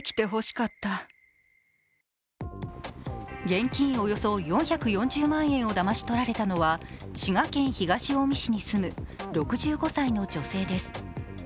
現金およそ４４０万円をだまし取られたのは滋賀県東近江市に住む６５歳の女性です。